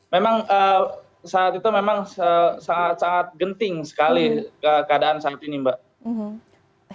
memang saat itu memang sangat sangat genting sekali keadaan saat ini mbak